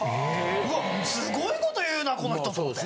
うわすごいこと言うなこの人と思って。